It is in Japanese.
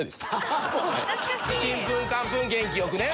「チンプンカンプン元気よく」ね。